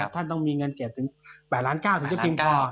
ท่านต้องมีเงินเก็บ๘ล้าน๙ถึงจะพิมพ์พอ